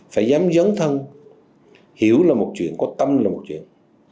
phải dám dấn thân hiểu là một chuyện có tâm là một chuyện